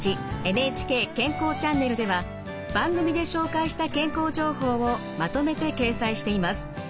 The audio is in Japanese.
「ＮＨＫ健康チャンネル」では番組で紹介した健康情報をまとめて掲載しています。